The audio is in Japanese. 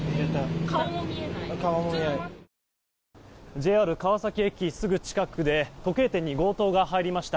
ＪＲ川崎駅近くで時計店に強盗が入りました。